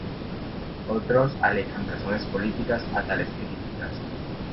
Otros alegan razones políticas a tales críticas.